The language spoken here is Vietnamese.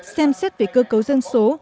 xem xét về cơ cấu dân số